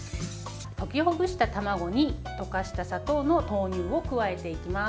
溶きほぐした卵に溶かした砂糖の豆乳を加えていきます。